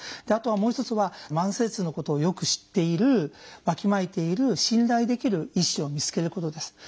あとはもう一つは慢性痛のことをよく知っているわきまえている信頼できる医師を見つけることです。